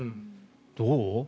どう？